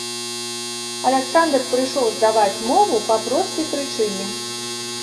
Аляксандр прыйшоў здаваць мову па простай прычыне.